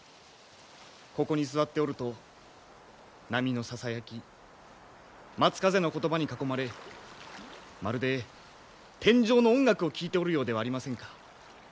ここに座っておると波のささやき松風の言葉に囲まれまるで天上の音楽を聴いておるようではありませんか。